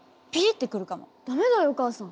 駄目だよお母さん。